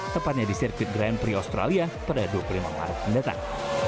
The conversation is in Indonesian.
tepatnya di sirkuit grand prix australia pada dua puluh lima maret mendatang